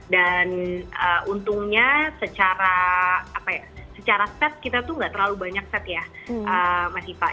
dan untungnya secara set kita tuh nggak terlalu banyak set ya mas hifa